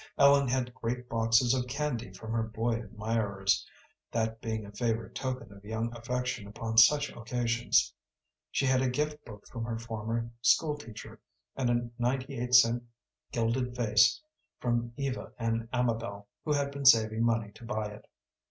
Ellen had great boxes of candy from her boy admirers, that being a favorite token of young affection upon such occasions. She had a gift book from her former school teacher, and a ninety eight cent gilded vase from Eva and Amabel, who had been saving money to buy it.